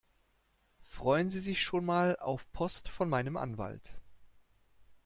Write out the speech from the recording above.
Freuen Sie sich schon mal auf Post von meinem Anwalt!